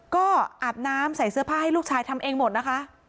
ก็อาบน้ำใส่เสื้อผ้าให้ลูกชายทำเองหมดนะคะ